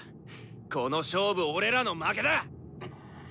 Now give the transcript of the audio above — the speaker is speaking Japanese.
この勝負俺らの負けだ！